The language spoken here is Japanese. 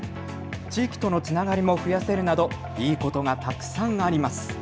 地域とのつながりも増やせるなどいいことがたくさんあります。